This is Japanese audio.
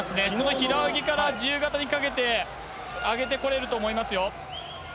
平泳ぎから自由形にかけて上げてこれると思いますよ。